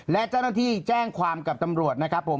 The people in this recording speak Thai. และเจ้าหน้าที่แจ้งความกับตำรวจนะครับผม